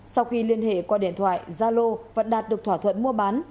sau khi liên hệ qua điện thoại gia lô và đạt được thỏa thuận mua bán